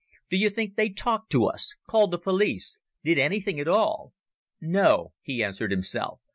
Do you think they talked to us? Called the police? Did anything at all? "No," he answered himself.